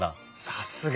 さすが！